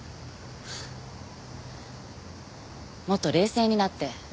もっと冷静になって。